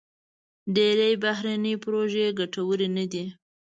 ډېری بهرني پروژې ګټورې نه دي.